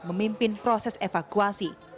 mengatakan proses evakuasi